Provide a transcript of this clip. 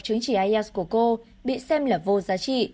chứng chỉ ielts của cô bị xem là vô giá trị